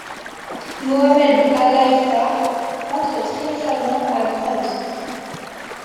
Mohammed al-'Aysar rentre triomphalement à Grande.